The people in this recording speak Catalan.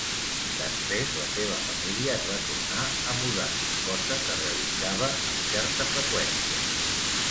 Després la seva família es va tornar a mudar, cosa que realitzava amb certa freqüència.